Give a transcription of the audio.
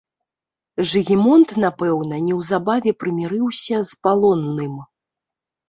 Жыгімонт, напэўна, неўзабаве прымірыўся з палонным.